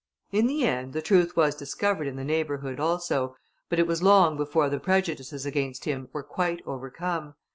In the end, the truth was discovered in the neighbourhood also, but it was long before the prejudices against him were quite overcome.